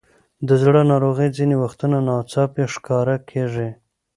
د زړه ناروغۍ ځینې وختونه ناڅاپي ښکاره کېږي.